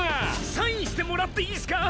サインしてもらっていいスかあ？